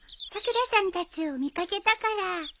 さくらさんたちを見掛けたから。